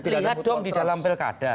lihat dong di dalam pilkada